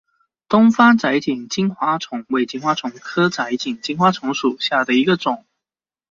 东方窄颈金花虫为金花虫科窄颈金花虫属下的一个种。